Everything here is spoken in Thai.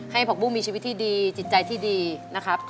ผักบุ้งมีชีวิตที่ดีจิตใจที่ดีนะครับ